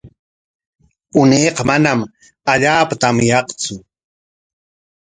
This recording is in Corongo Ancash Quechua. Unayqa manam allaapa tamyaqtsu.